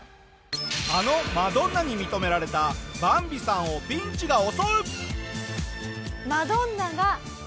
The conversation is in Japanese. あのマドンナに認められたバンビさんをピンチが襲う！